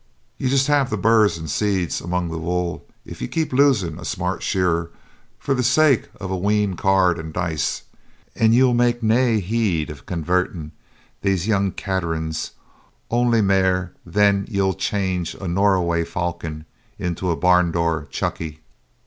Ye'll just have the burrs and seeds amang the wool if ye keep losing a smart shearer for the sake o' a wheen cards and dice; and ye'll mak' nae heed of convairtin' thae young caterans ony mair than ye'll change a Norroway falcon into a barn door chuckie.'